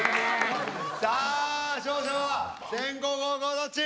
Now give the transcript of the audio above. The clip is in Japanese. さあ勝者は先攻後攻どっち？